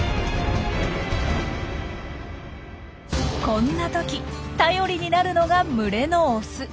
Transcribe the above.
こんな時頼りになるのが群れのオス。